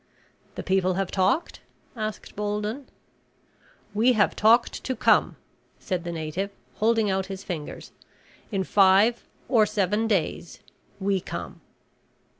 "The people have talked?" asked Bolden. "We have talked to come," said the native, holding out his fingers. "In five or seven days, we come."